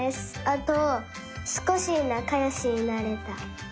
あとすこしなかよしになれた。